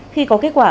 khi có kết quả